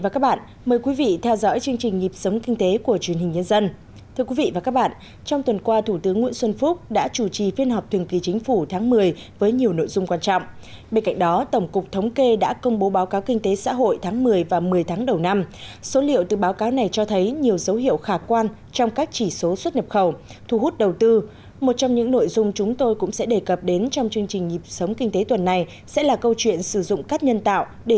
chào mừng quý vị đến với bộ phim hãy nhớ like share và đăng ký kênh của chúng mình nhé